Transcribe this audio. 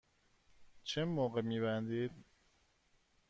چه موقع می بندید؟